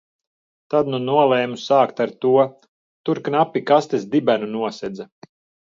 Tad nu nolēmu sākt ar to. Tur knapi kastes dibenu nosedza.